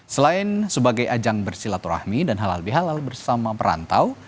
selain sebagai ajang bersilaturahmi dan halal bihalal bersama perantau